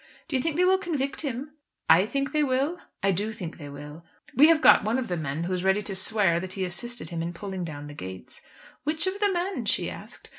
"Do you think they will convict him?" "I think they will? I do think they will. We have got one of the men who is ready to swear that he assisted him in pulling down the gates." "Which of the men?" she asked.